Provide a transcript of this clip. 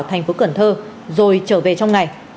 hành phố cần thơ rồi trở về trong ngày